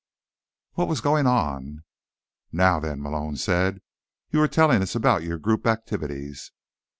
What was going on? "Now, then," Malone said. "You were telling us about your group activities."